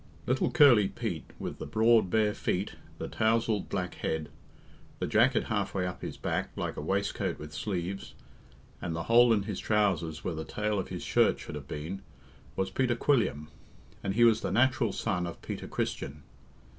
Little curly Pete, with the broad, bare feet, the tousled black head, the jacket half way up his back like a waistcoat with sleeves, and the hole in his trousers where the tail of his shirt should have been, was Peter Quilliam, and he was the natural son of Peter Christian.